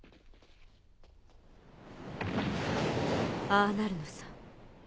ああなるのさ。